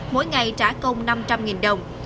mỗi ngày trả công năm trăm linh đồng